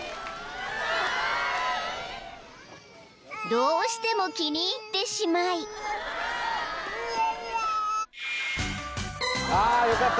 ［どうしても気に入ってしまい］あよかった。